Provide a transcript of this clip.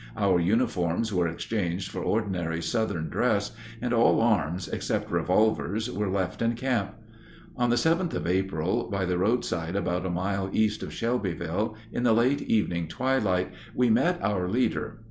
Our uniforms were exchanged for ordinary Southern dress, and all arms except revolvers were left in camp. On the 7th of April, by the roadside about a mile east of Shelbyville, in the late evening twilight, we met our leader.